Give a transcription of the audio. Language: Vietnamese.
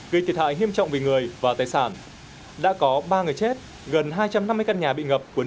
gây thiệt hại hiêm trọng về người và tài sản